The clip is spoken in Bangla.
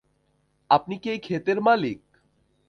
আপনি কী এই ক্ষেতের মালিক?